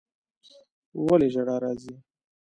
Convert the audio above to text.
ولي ژړا راځي